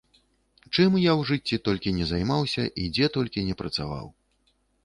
Чым я ў жыцці толькі не займаўся і дзе толькі не працаваў.